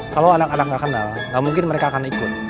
kalau anak anak nggak kenal nggak mungkin mereka akan ikut